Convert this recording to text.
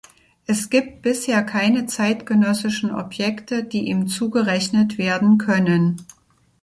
Es gibt bisher keine zeitgenössischen Objekte, die ihm zugerechnet werden können.